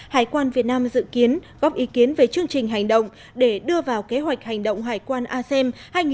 hải quan việt nam dự kiến góp ý kiến về chương trình hành động để đưa vào kế hoạch hành động hải quan asem hai nghìn hai mươi hai nghìn hai mươi một